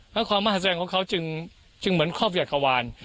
แล้วความมหาแสดงของเค้าจึงเหมือนครอบอย่างกะวาน